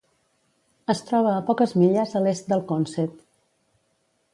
Es troba a poques milles a l'est del Consett.